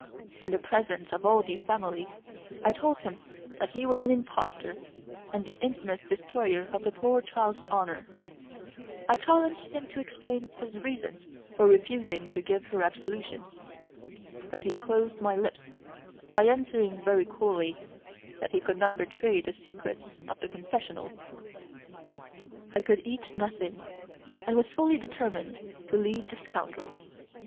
In the presence of all the family I told him that he was an impostor, and the infamous destroyer of the poor child's honour; I challenged him to explain his reasons for refusing to give her absolution, but he closed my lips by answering very coolly that he could not betray the secrets of the confessional. I could eat nothing, and was fully determined to leave the scoundrel.